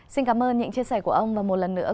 xin cảm ơn những chia sẻ của ông và một lần nữa